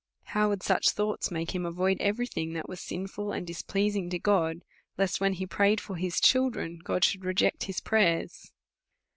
How would such thoughts make him avoid every thing that was sinful and displeasing to God, lest, when he prayed for his children, God should reject his prayers!